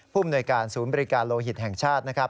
ผู้บริการศูนย์บริการโลหิตแห่งชาติ